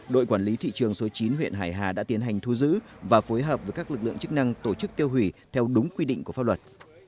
đội quản lý thị trường số chín huyện hải hà đã tiến hành thu giữ và phối hợp với các lực lượng chức năng tổ chức tiêu hủy theo đúng quy định của pháp luật